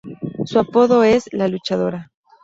Su apodo es "la Luchadora".